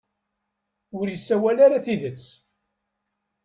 Ur isawal ara tidet.